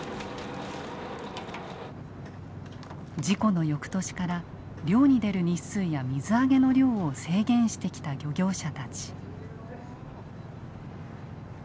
事故のよくとしから漁に出る日数や水揚げの量を制限してきた漁業者たち。